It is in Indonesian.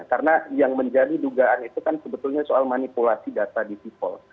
karena yang menjadi dugaan itu kan sebetulnya soal manipulasi data di sipol